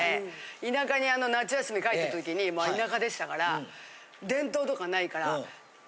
田舎に夏休み帰った時に田舎でしたから電灯とかないから。